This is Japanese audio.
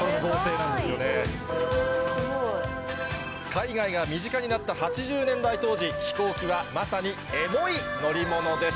海外が身近になった８０年代当時飛行機はまさにエモい乗り物でした。